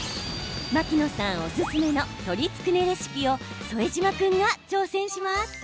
牧野さんおすすめの鶏つくねレシピを副島君が挑戦します。